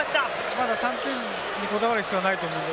まだ３点にこだわる必要はないと思うので。